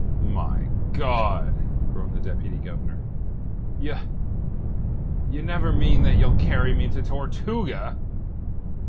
"My God!" groaned the Deputy Governor. "Ye... ye never mean that ye'll carry me to Tortuga!"